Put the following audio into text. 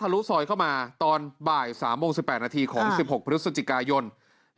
รัฐธรุ้วซอยเข้ามาตอนบ่ายสามโมงสิบแปดนาทีของ๑๖พฤศจิกายนครับ